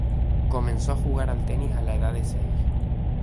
Comenzó a jugar al tenis a la edad de seis.